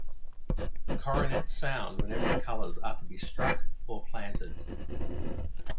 The cornets sound whenever the colors are to be struck or planted.